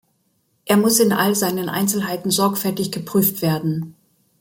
Er muss in all seinen Einzelheiten sorgfältig geprüft werden.